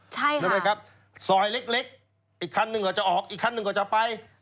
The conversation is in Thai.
ใช่ไหมครับซอยเล็กอีกคันหนึ่งก็จะออกอีกคันหนึ่งก็จะไป